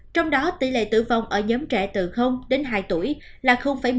trong đó tỷ lệ tử vong ở nhóm trẻ từ đến hai tuổi là một mươi chín